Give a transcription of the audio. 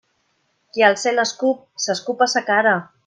Qui al cel escup s'escup a sa cara.